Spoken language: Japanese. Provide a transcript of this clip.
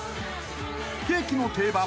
［ケーキの定番］